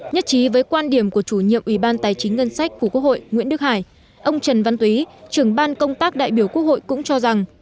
nhất trí với quan điểm của chủ nhiệm ủy ban tài chính ngân sách của quốc hội nguyễn đức hải ông trần văn túy trưởng ban công tác đại biểu quốc hội cũng cho rằng